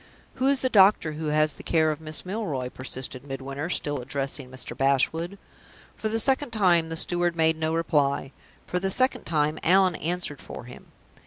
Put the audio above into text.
"Who is the doctor who has the care of Miss Milroy?" persisted Midwinter, still addressing Mr. Bashwood. For the second time the steward made no reply. For the second time, Allan answered for him.